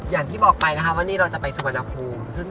อย่างที่บอกไปว่าเราจะไปสุวรรณภูมิ